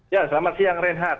ya selamat siang reinhard